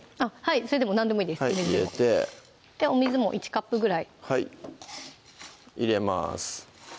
それでも何でもいいですはい入れてお水も１カップぐらいはい入れます